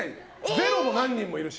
０も何人もいるし。